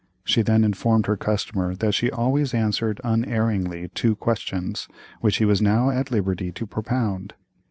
She then informed her customer that she always answered unerringly two questions, which he was now at liberty to propound.